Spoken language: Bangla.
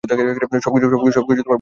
সবকিছু বন্ধ কর।